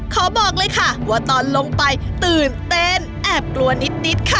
บอกเลยค่ะว่าตอนลงไปตื่นเต้นแอบกลัวนิดค่ะ